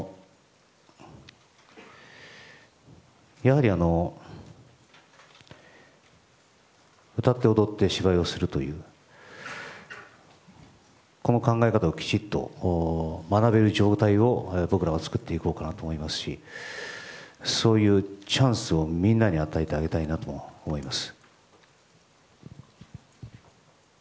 やはり歌って踊って芝居をするというこの考え方をきちっと学べる状態を僕らが作っていこうかなと思っていますしそういうチャンスを、みんなに与えてあげたいなと思います。